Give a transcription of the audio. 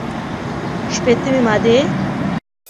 شپېتمې مادې